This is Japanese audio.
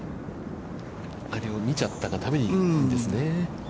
あれを見ちゃったがためにですね。